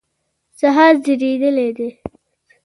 څخه زیږیدلی دی